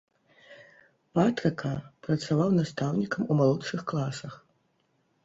Патрыка, працаваў настаўнікам у малодшых класах.